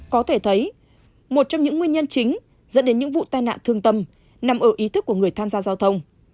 có thể thấy một trong những nguyên nhân chính dẫn đến những vụ tai nạn thương tâm nằm ở ý thức của người tham gia giao thông